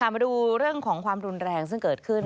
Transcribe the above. มาดูเรื่องของความรุนแรงซึ่งเกิดขึ้น